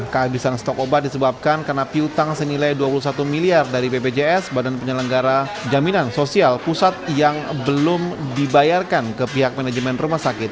kehabisan stok obat disebabkan karena piutang senilai dua puluh satu miliar dari bpjs badan penyelenggara jaminan sosial pusat yang belum dibayarkan ke pihak manajemen rumah sakit